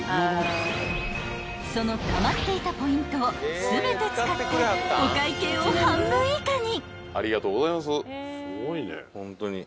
［そのたまっていたポイントを全て使ってお会計を半分以下に］